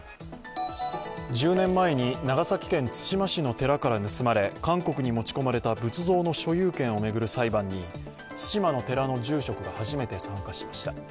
１０年前に長崎県対馬市の寺から盗まれ韓国に持ち込まれた仏像の所有権を巡る裁判に対馬の寺の住職が初めて参加しました。